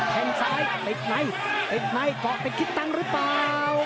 แข่งซ้ายเอ็ดไนเอ็ดไนเกาะเป็นคิดตันหรือเปล่า